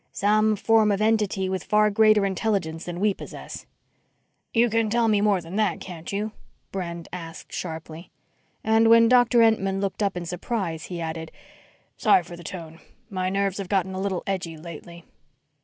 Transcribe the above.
"Some form of entity with far greater intelligence than we possess." "You can tell me more than that, can't you?" Brent asked sharply. And when Doctor Entman looked up in surprise, he added, "Sorry for the tone. My nerves have gotten a little edgy lately."